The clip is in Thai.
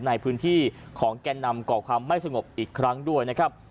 ในพื้นที่ของแก่นำก่อความไม่สงบอีกครั้งด้วยนะครับ